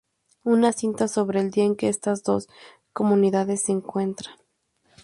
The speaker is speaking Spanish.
Una cinta sobre el día en que estas dos comunidades se encuentran.